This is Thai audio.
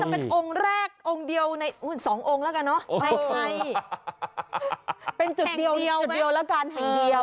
เป็นองค์แรกองค์เดียวสององค์แห่งใคร